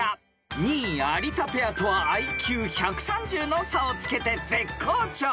［２位有田ペアとはＩＱ１３０の差をつけて絶好調］